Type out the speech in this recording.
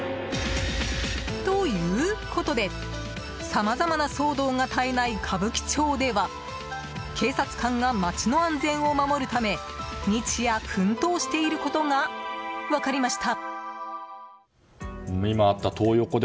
ということでさまざまな騒動が絶えない歌舞伎町では警察官が街の安全を守るため日夜奮闘していることが分かりました。